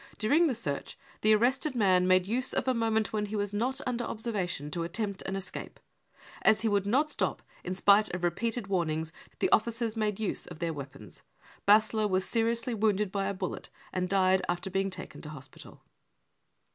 During the search the arrested man made use of a moment when he was not under observation to attempt an escape. As he would not stop in spite of repeated warnings, the officers made use of if their weapons. B. was seriously wounded by a bullet and died after being taken to hospital.